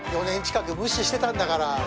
４年近く無視してたんだから。